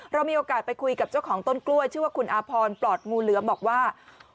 เรามีโอกาสไปคุยกับเจ้าของต้นกล้วยชื่อว่าคุณอาพรปลอดงูเหลือมบอกว่า